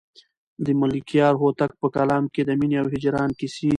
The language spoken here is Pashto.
د ملکیار هوتک په کلام کې د مینې او هجران کیسې دي.